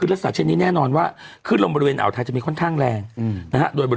ละลายไปหมดแล้วเหรอ